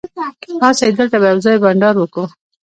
راسئ! دلته به یوځای بانډار وکو.